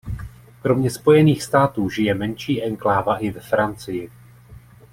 Kromě Spojených států žije menší enkláva i ve Francii.